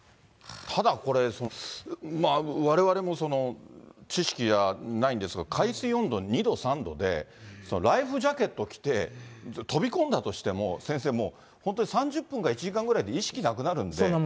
ただこれ、われわれも知識はないんですが、海水温度２度、３度で、ライフジャケット着て、飛び込んだとしても先生、もう本当に３０分か１時間ぐらいで意識なくなるんで。